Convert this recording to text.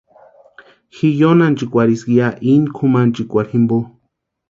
Ji yóni ánchikwarhiska ya íni kúnkwarhikwa jimpo.